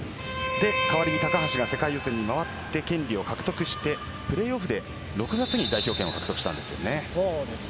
代わりに高橋が世界予選に回って権利を獲得してプレーオフで６月に代表権を獲得したんですよね。